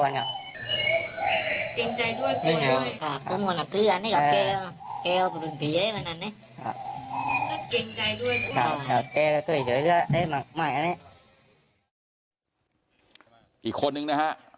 ผมมีคนขัดแสวแกล็งมาดูเตรียม